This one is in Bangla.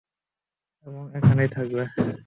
এবং, এখানেই থাকবে।